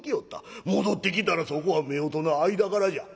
戻ってきたらそこは夫婦の間柄じゃ一緒に寝る。